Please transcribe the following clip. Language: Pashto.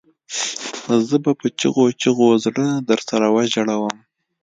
زه به په چیغو چیغو زړه درسره وژړوم